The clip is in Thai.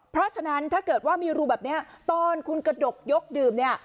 เพราะฉะนั้นถ้าเกิดว่ามีรูแบบนี้ตอนคุณกระดกยกดื่มเนี่ย